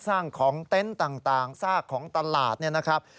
ของเต็นต์ต่างซากของตลาดเนี่ยนะครับ